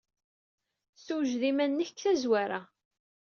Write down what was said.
Ssewjed iman-nnek seg tazwara.